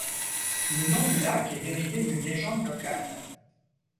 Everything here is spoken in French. Le nom du lac est dérivé d'une légende locale.